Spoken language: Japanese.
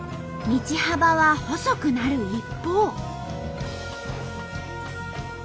道幅は細くなる一方。